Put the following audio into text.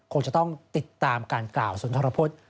คงจะต้องติดตามการกล่าวสุนทรพฤษ